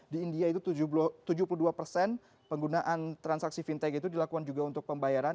di india itu tujuh puluh dua persen penggunaan transaksi fintech itu dilakukan juga untuk pembayaran